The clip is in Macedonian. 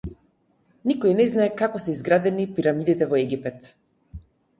Никој не знае како се изградени пирамидите во Египет.